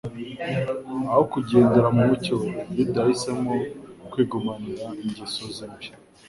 Aho kugendera mu mucyo, Yuda yahisemo kwigumanira ingeso ze mbi.